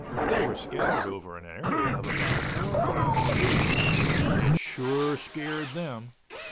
They were scattered over an area of about four miles feeding. It sure scared them.